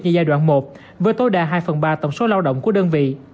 như giai đoạn một với tối đa hai phần ba tổng số lao động của đơn vị